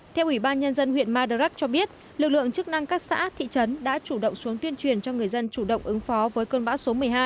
theo ủy ban nhân dân huyện madarak cho biết lực lượng chức năng các xã thị trấn đã chủ động xuống tuyên truyền cho người dân chủ động ứng phó với cơn bão số một mươi hai